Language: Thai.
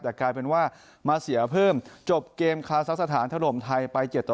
แต่กลายเป็นว่ามาเสียเพิ่มจบเกมคาซักสถานถล่มไทยไป๗ต่อ